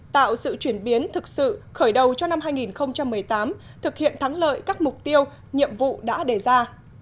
tạo sự chuyển biến thực sự khởi đầu cho năm hai nghìn một mươi tám thực hiện thắng lợi các mục tiêu nhiệm vụ đã đề ra